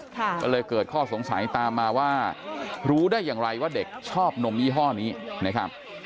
ก็เลยเกิดข้อสงสัยตามมาว่ารู้ได้อย่างไรว่าเด็กชอบนมยี่ห้อนี้นะครับ